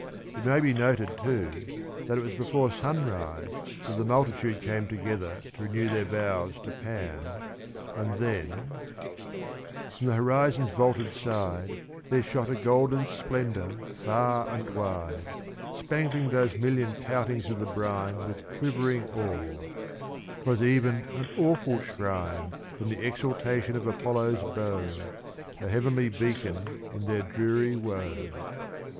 It may be noted, too, that it was before sunrise that the multitude came together to renew their vows to Pan, and then from the horizon's vaulted side, There shot a golden splendour far and wide, Spangling those million poutings of the brine With quivering ore : 'twas even an awful shine From the exaltation of Apollo's bow ; A heavenly beacon in their dreary woe.